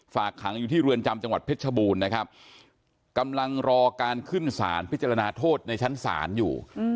ฝากขังอยู่ที่เรือนจำจังหวัดเพชรชบูรณ์นะครับกำลังรอการขึ้นสารพิจารณาโทษในชั้นศาลอยู่